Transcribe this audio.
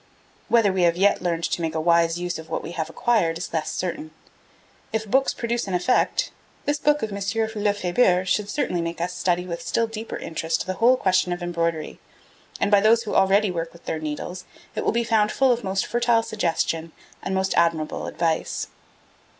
Whether we have yet learned to make a wise use of what we have acquired is less certain. If books produce an effect, this book of M. Lefebure should certainly make us study with still deeper interest the whole question of embroidery, and by those who already work with their needles it will be found full of most fertile suggestion and most admirable advice.